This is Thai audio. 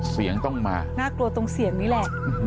เสียงต้องมาน่ากลัวตรงเสียงนี้แหละ